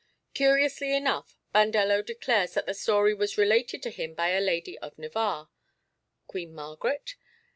Curiously enough, Bandello declares that the story was related to him by a lady of Navarre (Queen Margaret?)